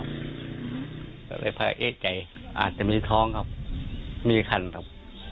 ก็เลยพาเอกใจอาจจะมีท้องครับมีคันครับ